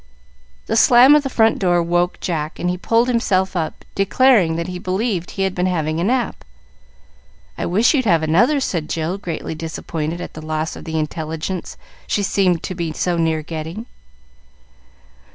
The slam of the front door woke Jack, and he pulled himself up, declaring that he believed he had been having a nap. "I wish you'd have another," said Jill, greatly disappointed at the loss of the intelligence she seemed to be so near getting.